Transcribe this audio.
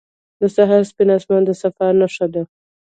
• د سهار سپین آسمان د صفا نښه ده.